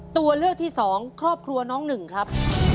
ตัวเลือกที่สองครอบครัวน้องหนึ่งครับ